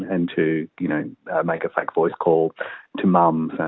dan juga penyelenggaraan yang terjadi di dalam keadaan